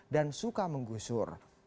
dan suka menggusur